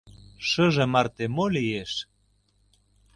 Шыже марте мо лиеш?»